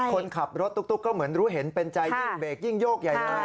คนขับรถตุ๊กก็เหมือนรู้เห็นเป็นใจยิ่งเบรกยิ่งโยกใหญ่เลย